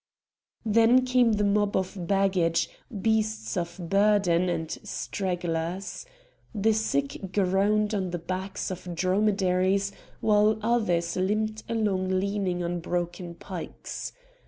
Then came the mob of baggage, beasts of burden, and stragglers. The sick groaned on the backs of dromedaries, while others limped along leaning on broken pikes.